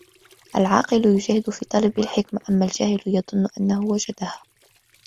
العاقل يُجاهد في طلب الحكمة أما الجاهل يظن أنه وجدها.